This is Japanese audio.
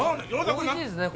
おいしいっすね